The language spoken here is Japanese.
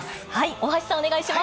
大橋さん、お願いします。